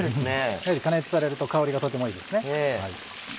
やはり加熱されると香りがとてもいいですね。